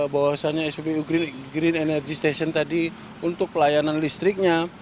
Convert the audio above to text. bahwasannya spbu green energy station tadi untuk pelayanan listriknya